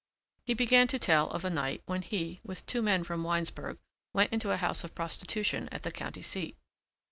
He began to tell of a night when he with two men from Winesburg went into a house of prostitution at the county seat.